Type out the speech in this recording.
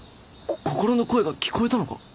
心の声が聞こえたのか？